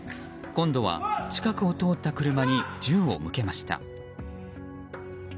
今度は近くを通った車に銃を向けました。